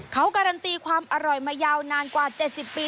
เขาการันตีความอร่อยมายาวนานกว่า๗๐ปี